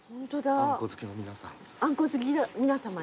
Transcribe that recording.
あんこ好きの皆さまに。